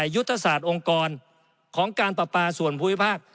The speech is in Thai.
ยุทธศาสตร์องค์กรของการปราปาส่วนภูมิภาค